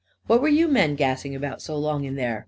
44 What were you men gassing about so long in there